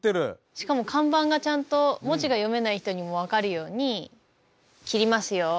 しかも看板がちゃんと文字が読めない人にも分かるように「切りますよ」